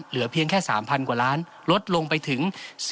เหลือเพียงแค่๓๐๐กว่าล้านลดลงไปถึง